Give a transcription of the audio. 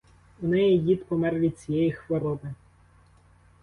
У неї дід помер від цієї хвороби.